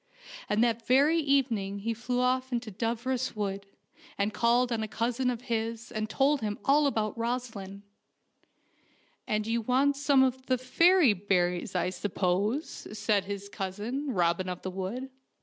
And that very evening he flew off to Dooros Wood, and called on a cousin of his and told him all about Rosaleen. " And you want some of the fairy berries, I suppose," said his cousin, Robin of the Wood.